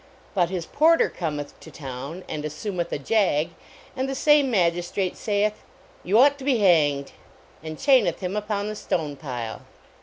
But his porter cometh to town and assumeth a jag, and the same magistrate sayeth, "You ought to be hanged," and chaineth him upon the stone pile.